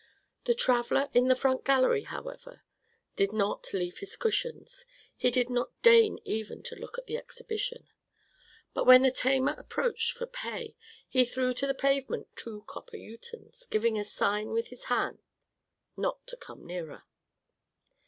The traveller in the front gallery, however, did not leave his cushions, he did not deign even to look at the exhibition. But when the tamer approached for pay, he threw to the pavement two copper utens, giving a sign with his hand not to come nearer.